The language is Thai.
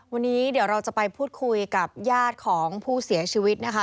วันนี้เดี๋ยวเราจะไปพูดคุยกับญาติของผู้เสียชีวิตนะคะ